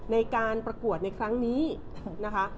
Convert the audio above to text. ในการประกวดในครั้งนี้นะคะ